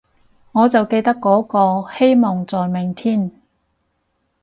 我就記得嗰個，希望在明天